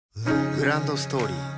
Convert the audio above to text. グランドストーリー